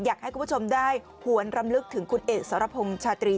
อยากให้คุณผู้ชมได้หวนรำลึกถึงคุณเอกสรพงษ์ชาตรี